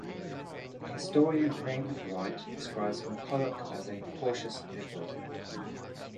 The historian Raymond Wright describes McCulloch as a cautious liberal.